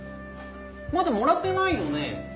まだもらってないよね？